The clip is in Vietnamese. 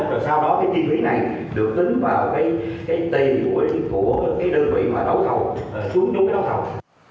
rồi sau đó cái chi phí này được tính vào cái tiền của đơn vị mà đấu thầu xuống dung cái đấu thầu